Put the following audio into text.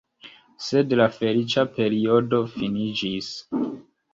Sed la feliĉa periodo finiĝis.